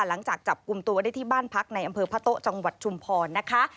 หลังจากจับกลุ่มตัวได้ที่บ้านพักในอำเภอพะโต๊ะจังหวัดชุมพรนะคะ